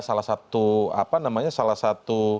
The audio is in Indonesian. salah satu apa namanya salah satu